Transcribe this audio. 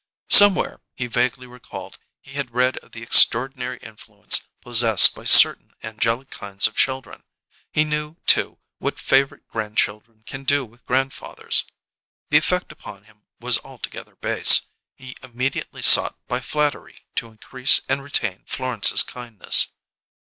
Somewhere, he vaguely recalled, he had read of the extraordinary influence possessed by certain angelic kinds of children; he knew, too, what favourite grandchildren can do with grandfathers. The effect upon him was altogether base; he immediately sought by flattery to increase and retain Florence's kindness.